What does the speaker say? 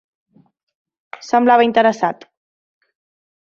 Semblava interessat.